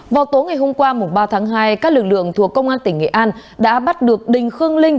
vào tối ngày hôm qua ba tháng hai các lực lượng thuộc công an tỉnh nghệ an đã bắt được đình khương linh